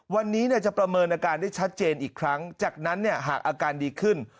วันนี้จะประเมินอาการได้ชัดเจนอีกครั้งจากนั้นหากอาการดีขึ้น